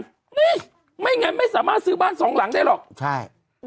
นี่ไม่งั้นไม่สามารถซื้อบ้านสองหลังได้หรอกใช่